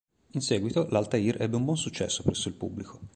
In seguito, l'Altair ebbe un buon successo presso il pubblico.